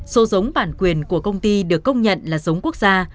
số giống bản quyền của công ty được công nhận là giống quốc gia